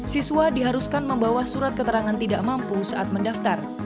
siswa diharuskan membawa surat keterangan tidak mampu saat mendaftar